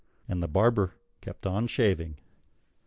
And the barber kept on shaving.